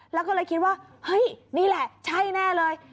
แล้วก็เลยคิดว่าเฮ้ยนี่แหละใช่แน่เลย